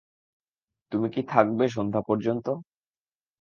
তুমি কি থাকবে সন্ধ্যা পর্যন্ত?